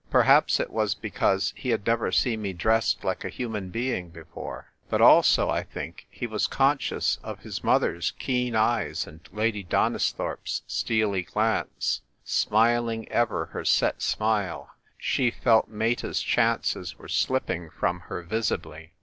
Perhaps it was because he had never seen me dressed like a human being before ; but also, I think, he was conscious of his mother's keen eyes and Lady Donisthorpe's steely glance ; smiling ever her set smile, she felt Meta's chances were slipping from her visibly.